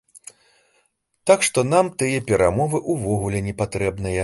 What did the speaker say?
Так што нам тыя перамовы ўвогуле не патрэбныя.